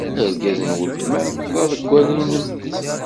Argaz n weltma-m d aḍewwal-nnem.